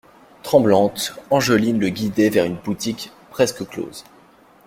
Tremblante, Angeline le guidait vers une boutique presque close.